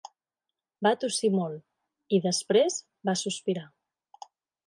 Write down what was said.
Va tossir molt i, després, va sospirar.